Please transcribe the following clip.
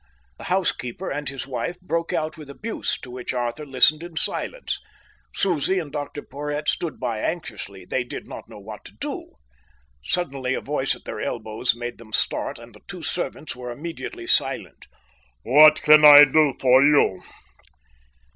The housekeeper and his wife broke out with abuse, to which Arthur listened in silence. Susie and Dr Porhoët stood by anxiously. They did not know what to do. Suddenly a voice at their elbows made them start, and the two servants were immediately silent. "What can I do for you?"